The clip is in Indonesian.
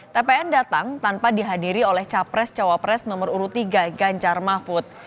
tpn datang tanpa dihadiri oleh capres cawapres nomor urut tiga ganjar mahfud